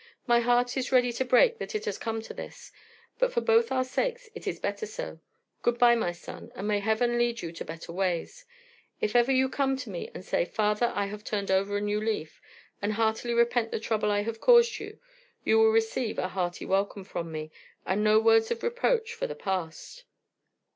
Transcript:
"My heart is ready to break that it has come to this; but for both our sakes it is better so. Goodby, my son, and may Heaven lead you to better ways! If ever you come to me and say, 'Father, I have turned over a new leaf, and heartily repent the trouble I have caused you,' you will receive a hearty welcome from me, and no words of reproach for the past."